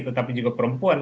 tetapi juga perempuan